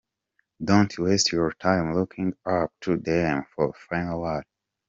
Don’t waste your time looking up to them for a final word.